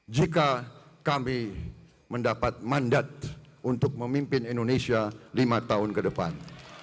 jika kami mendapat mandat untuk memimpin indonesia lima tahun ke depan